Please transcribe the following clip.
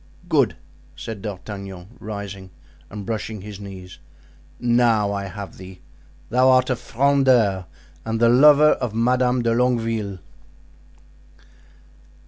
"Good!" said D'Artagnan, rising and brushing his knees; "now I have thee—thou art a Frondeur and the lover of Madame de Longueville."